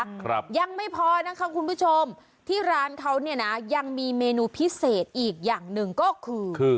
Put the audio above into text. ครับยังไม่พอนะคะคุณผู้ชมที่ร้านเขาเนี่ยนะยังมีเมนูพิเศษอีกอย่างหนึ่งก็คือ